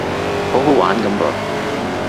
好好玩噉噃